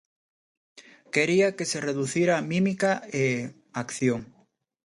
Quería que se reducira a mímica e acción.